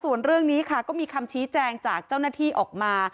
ส่วนเรื่องนี้ค่ะก็มีคำชี้แจงจากเจ้าหน้าที่ออกมา